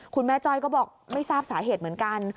จ้อยก็บอกไม่ทราบสาเหตุเหมือนกัน